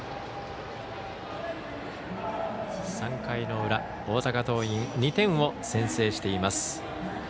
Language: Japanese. ３回の裏、大阪桐蔭２点を先制しています。